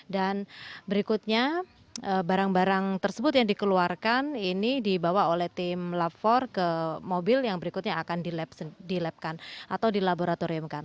dan berikutnya barang barang tersebut yang dikeluarkan ini dibawa oleh tim lafor ke mobil yang berikutnya akan dilabkan atau dilaboratoriumkan